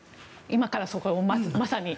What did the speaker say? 今からそこをまさに。